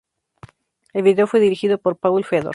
El vídeo fue dirigido por Paul Fedor.